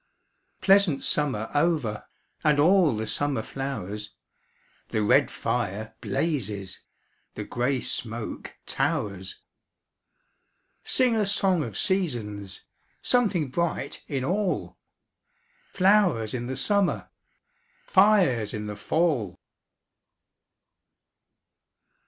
Pleasant summer over And all the summer flowers, The red fire blazes, The grey smoke towers. Sing a song of seasons! Something bright in all! Flowers in the summer, Fires in the fall!